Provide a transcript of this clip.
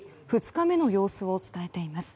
２日目の様子を伝えています。